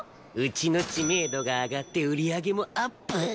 うちの知名度が上がって売り上げもアップ！